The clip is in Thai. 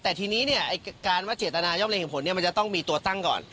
แต่ทีนี้เนี่ยการว่าเจตนาย่อมเล่งเห็นผลเนี่ยมันจะต้องมีตัวตั้งก่อน